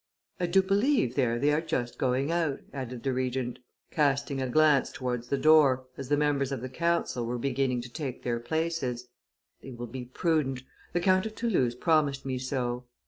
I do believe, there they are just going out," added the Regent, casting a glance towards the door, as the members of the council were beginning to take their places: "they will be prudent; the Count of Toulouse promised me so."